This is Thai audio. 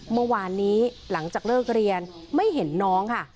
เมื่อวานนี้หลังจากเลิกเรียนไม่เห็นน้องค่ะ